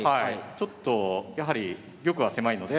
ちょっとやはり玉は狭いので。